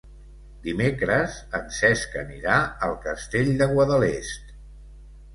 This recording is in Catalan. Dimecres en Cesc anirà al Castell de Guadalest.